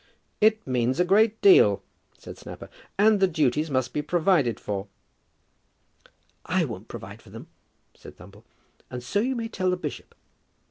"It means a great deal," said Snapper; "and the duties must be provided for." "I won't provide for them," said Thumble; "and so you may tell the bishop."